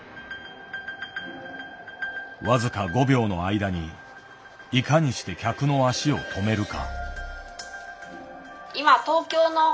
僅か５秒の間にいかにして客の足を止めるか。